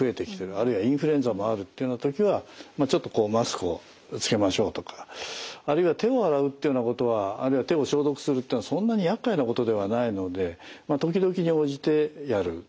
あるいはインフルエンザもあるっていうような時はちょっとこうマスクをつけましょうとかあるいは手を洗うというようなことはあるいは手を消毒するというのはそんなにやっかいなことではないので時々に応じてやる。